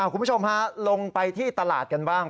คุณผู้ชมฮะลงไปที่ตลาดกันบ้าง